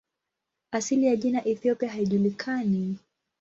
Asili ya jina "Ethiopia" haijulikani.